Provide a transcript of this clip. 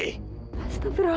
pas ntar beroleh sih